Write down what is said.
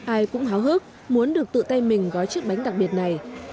ai cũng háo hức muốn được tự tay mình gói chiếc bánh đặc biệt này